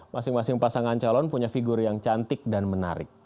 masing masing pasangan calon punya figur yang cantik dan menarik